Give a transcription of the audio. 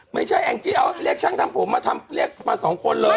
ไม่ใช่แองจี้เอาเรียกช่างทำผมมาทำเรียกมาสองคนเลย